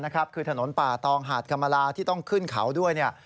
คือถนนป่าตองหาดกรรมลาที่ต้องขึ้นเขาด้วย